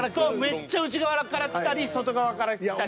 めっちゃ内側から来たり外側から来たり。